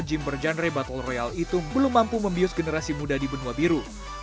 gym bergenre battle royal itu belum mampu membius generasi muda di benua biru